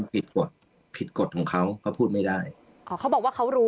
ผิดกฎผิดกฎของเขาก็พูดไม่ได้อ๋อเขาบอกว่าเขารู้